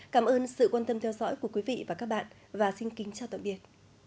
cảm ơn sự quan tâm theo dõi của quý vị và các bạn và xin kính chào tạm biệt